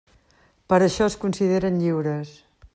Per això es consideren lliures.